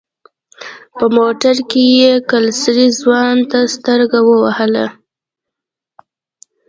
په موټر کې يې کلسري ځوان ته سترګه ووهله.